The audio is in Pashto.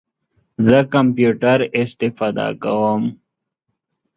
زه کمپیوټر استفاده کوم